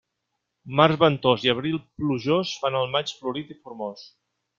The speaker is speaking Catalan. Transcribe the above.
Març ventós i abril plujós fan el maig florit i formós.